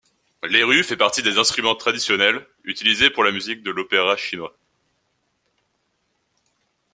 L’erhu fait partie des instruments traditionnels utilisés pour la musique de l'opéra chinois.